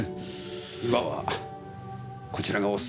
今はこちらがお勧めですよ